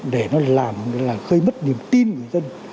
để nó làm gây mất niềm tin người dân